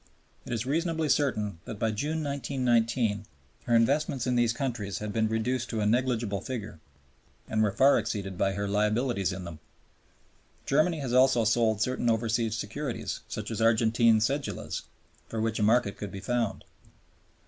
It is reasonably certain that by June, 1919, her investments in these countries had been reduced to a negligible figure and were far exceeded by her liabilities in them. Germany has also sold certain overseas securities, such as Argentine cedulas, for which a market could be found.